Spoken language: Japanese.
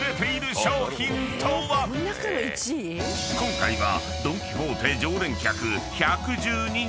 ［今回は］